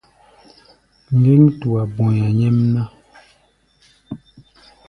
Ŋgéŋ tua bɔ̧i̧a̧ nyɛ́mná.